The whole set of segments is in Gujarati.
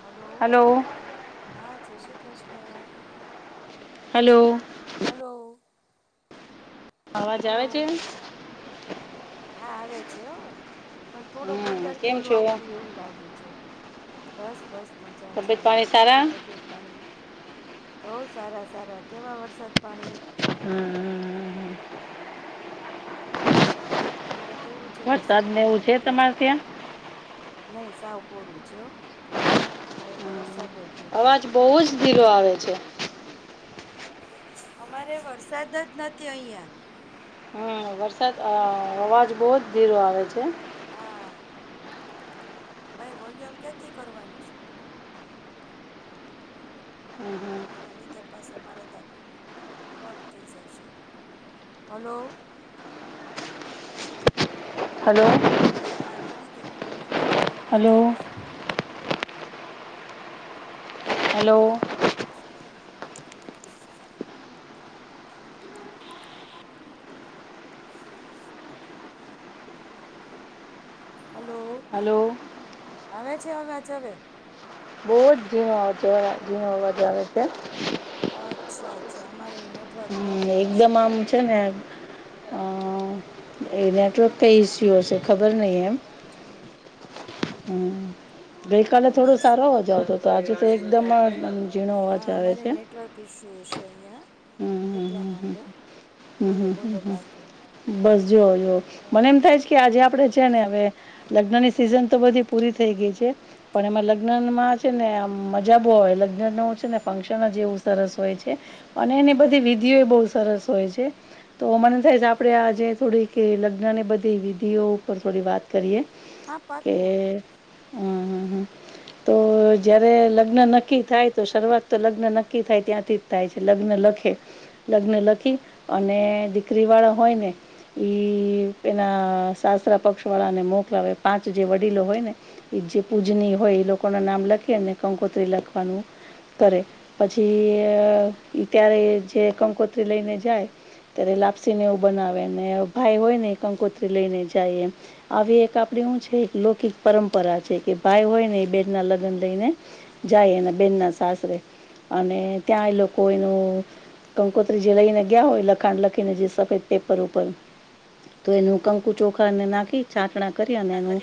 હલો હા જય શ્રી કૃષ્ણ હલો હલો અવાજ આવે હલો છે. હા આવે છે હો પણ થોડોક હમ અંદર થી કેમ ઓલું છો? આવતું એવું લાગે છે. બસ બસ મજા છે તબિયત પાણી શું છે સારા? તબિયત પાણી બહ સારા સારા કેવા વરસાદ પાણી હમ હ હ તમારે કેવું છે વરસાદ ને એવું પાણી ન છે ત્યાં તમારે નઈ સાવ કોરું છે અમારે તો વરસાદ જ નથી અવાજ બહુ જ ધીરો આવે છે. અમારે વરસાદ જ નથી અહિયાં હ વરસાદ અ અવાજ બહુ જ ધીરો આવે છે. હા ભાઈ વોલ્યુમ ક્યાંથી કરવાનું છે. હમ હમ એમાં નીતર પાસો મારે તરત કટ થઈ જાય છે હલો હલો હા કરી દે મને એને જ તો ધીરો અવાજ હલો આવે છે. હલો ફુલફેન હલો હલો આવે છે અવાજ હવે બહુ જીનો અવાજ જીણ અવાજ આવે છે. અચ્છા અચ્છા અમારે નેટ હમ એકદમ આમ છે ને અ એ નેટવર્ક કઈ ઇસ્યુ હશે ખબર નહીં એમ હમ ગઈ કલે થોડો સારો અવાજ આવતો તો આજુ તો એકદમ ઝીણો અવાજ હા આવે અમારે છે નેટવર્ક ઇસ્યુ હશે અહીંયા હમ એટલા માટે હમ બોલો હમ હમ બોલો બાકી હમ બસ જો જો મને એમ થાય જ કે આજે આપડણે છે ને હવે લગ્નની સિઝન તો બધી પૂરી થઈ ગઈ છે. પણ એમાં લગ્નમાં છે ને મજા બોવ હોય લગ્નનું છે ને ફાઉન્સપ જ એવું સરસ હોય છે. અને એની બધી વિધિઓ બઉ સરસ હો છે તો મને થાય છે આપડે આજે થોડીક લગ્ન ની બધી વિધિઓ ઉપ થોડી વાત કરીએ હા કે. પાક્કું હમ હમ હમ તો જયારે લ લગ્ન નક્કી થાય તો શરૂઆત તો લગ્ન નક્કી થાય ત્યાંથી જ થાય છે. લગ્ન લખે લગ્ન લખી અને દીકરી વાળા હોય ને ઈ એના સાસરા પક્ષ વાળાને મોકલાવે પાંચ જે વડીલો હોય ને એ જે પૂજની હોય એ લોકો કોના નામ લખીને કંકોત્રી લખવાનું કરે પછી ત્યારે જે કંકો લઈને જાય ત્યારે લાપસીને એવું બનાવે અને ભાઈ હોય ને કંકો ત્રી લઈને જાય એમ આવી એક આપડી હું છે એક લૌકિક પરંપરા છે કે ભાઈ હોય ને એ બેડ ના લગન લઈને જાય એના બેન ના સાસરે અને ત્યાં એ લોકો એનું કંકોત્રી જે લઈને ગયા હોય લખાણ લખીને જે સફેદ પેપર ઉપર તો એનું કંકુ ચોખાને નાખી છાટણા કરી અને એનું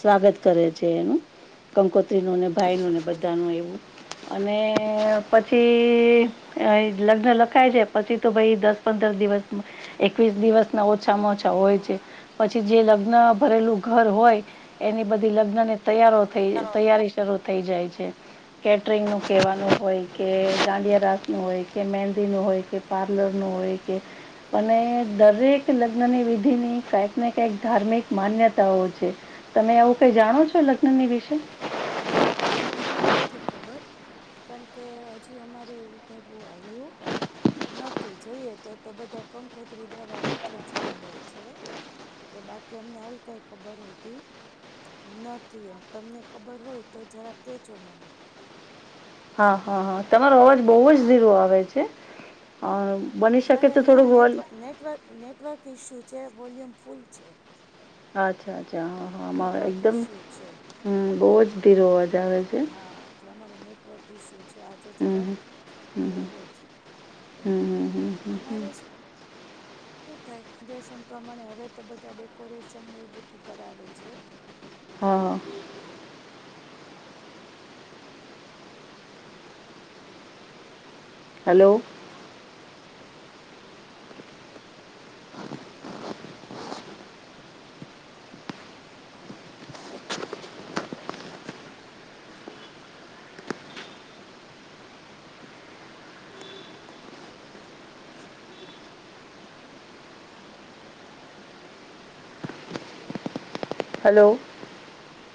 સ્વાગત કરે છે એનું સ્વાગત કરે કંકોત્રીનું ને ભાઈનું ને છે બધાનું એવું [inaudible] અને પછી લગ્ન લખાય છે પછી તો ભાઈ દસ પંદર દિવસ એકવીસ દિવસ ના ઓછામાં ઓછા હોય છે પછી જે લગ્ન ભરેલું ઘર હોય એની બધી લગ્નની તૈયારો થઈ તૈયારી શરૂ થઈ જાય છે કેટરિંગનું કહેવાનું હોય કે દાંડિયા રાસનું હોય કે મહેંદીનું હોય કે પાર્લરનું હોય કે અને દરેક લગ્નની વિધિની કઈક ને કઈક ધાર્મિક માન્યતાઓ છે તમે આવું કઈ જાણો છો લગ્નની વિશે ના આવું મને નથી ખબર કારણ કે હજી અમારે એવું કઈ બહ આવ્યું નથી જોઈએ તો તો બધા કંકોત્રી દવા એટલી જ ખબર છે કે બાકી અમને આવી કઈ ખબર હોતી નથી એમ તમને ખબર હોય તો જરાક કેજો મને હા હા હા તમારો અવાજ બહુ જ ઘીરો આવે છે અ બની અમારે શકે તો અહીંયા થોડુંક વોલ નેટવ નેટવર્ક નેટવર્ક ઇસ્યુ છે વૉલ્યુમ ફૂલ છે અચ્છા અચ્છા હા હા મારો નેટવર્ક એકદમ ઇસ્યુ છે હમ બહુ જ ધીરો અવાજ આવે છે. હા એટલે અમારે નેટવર્ક ઇસ્યુ છે આજે જરાક હમ, હમ, હમ, બહુ હમ, જ હમ, એમ હમ, હમ, હમ. અમારે શું શું થાય રેશન પ્રમાણે હવે તો બધા ડેકોરેશન ને એવું બધું કરાવે છે હા હલો [inaudible] હલો